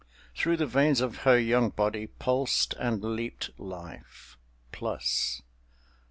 Through the veins of her young body pulsed and leaped life, plus.